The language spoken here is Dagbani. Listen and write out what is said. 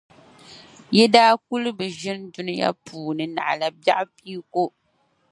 Yi daa kuli bi ʒini Dunia puuni naɣila biεɣu pia ko.